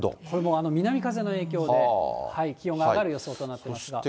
これも南風の影響で、気温が上がる予想となっています。